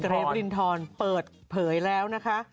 เรฟลินทรเปิดเผยแล้วนะคะ